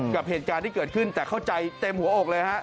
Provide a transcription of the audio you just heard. กับเหตุการณ์ที่เกิดขึ้นแต่เข้าใจเต็มหัวอกเลยฮะ